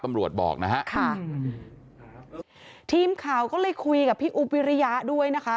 ตำรวจบอกนะฮะค่ะทีมข่าวก็เลยคุยกับพี่อุ๊บวิริยะด้วยนะคะ